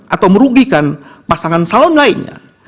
atau merugikan pasangan calon lainnya